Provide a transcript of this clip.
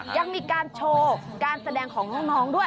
ยังมีการโชว์การแสดงของน้องด้วย